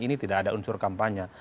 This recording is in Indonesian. ini tidak ada unsur kampanye